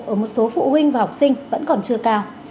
ở một số phụ huynh và học sinh vẫn còn chưa cao